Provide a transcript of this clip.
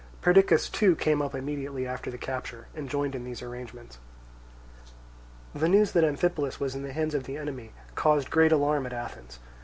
Perdiccas too came up immediately after the capture and joined in these arrangements. The news that Amphipolis was in the hands of the enemy caused great alarm at Athens.